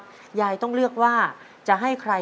คุณยายแจ้วเลือกตอบจังหวัดนครราชสีมานะครับ